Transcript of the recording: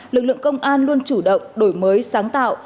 lực lượng công an luôn chủ động đổi mới sáng tạo